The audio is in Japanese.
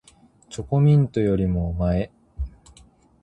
チョコミントよりもおまえ